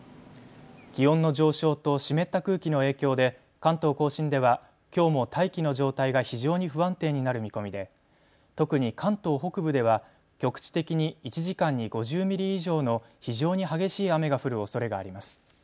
気温の上昇と湿った空気の影響で関東甲信ではきょうも大気の状態が非常に不安定になる見込みで特に関東北部では局地的に１時間に５０ミリ以上の非常に激しい雨が降るおそれがあります。